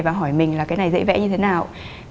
và hỏi mình là cái này dễ vẽ như thế nào